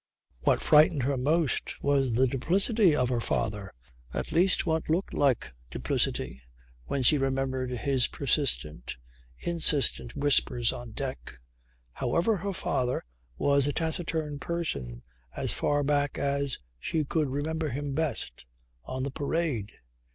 What frightened her most was the duplicity of her father, at least what looked like duplicity, when she remembered his persistent, insistent whispers on deck. However her father was a taciturn person as far back as she could remember him best on the Parade.